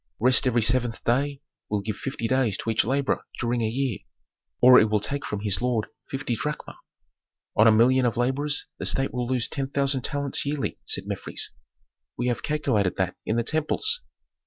"Rest every seventh day will give fifty days to each laborer during a year, or it will take from his lord fifty drachma. On a million of laborers the state will lose ten thousand talents yearly," said Mefres. "We have calculated that in the temples."